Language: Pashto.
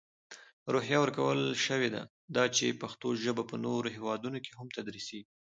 روحیه ورکول شوې ده، دا چې پښتو ژپه په نورو هیوادونو کې هم تدرېسېږي.